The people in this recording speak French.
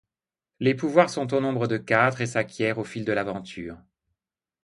Les pouvoirs sont au nombre de quatre, et s'acquièrent au fil de l'aventure.